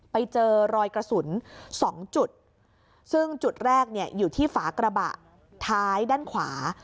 ไปเจอรอยกระสุนสองจุดซึ่งจุดแรกเนี่ยอยู่ที่ฝากระบะท้ายด้านขวา